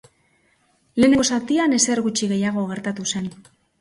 Lehenengo zatian ezer gutxi gehiago gertatu zen.